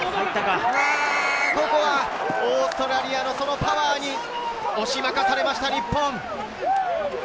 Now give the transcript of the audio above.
ここはオーストラリアのパワーに押し負かされました、日本。